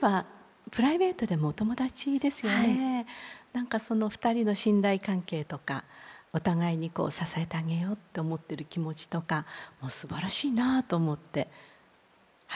何かその２人の信頼関係とかお互いに支えてあげようと思っている気持ちとかもうすばらしいなと思って拝見してました。